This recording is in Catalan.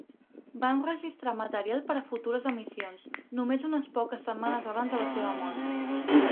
Va enregistrar material per a futures emissions, només unes poques setmanes abans de la seva mort.